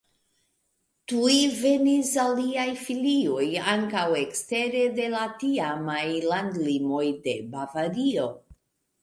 Tuj venis aliaj filioj ankaŭ ekstere de la tiamaj landlimoj de Bavario.